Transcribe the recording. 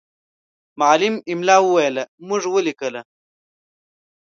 معلم املا وویله، موږ ولیکله.